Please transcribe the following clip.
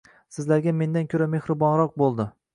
Sizlarga mendan ko'ra mehribonroq bo'ldi.